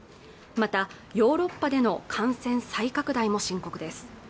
またヨーロッパでの感染再拡大も深刻です